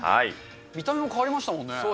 見た目も変わりましたもんね。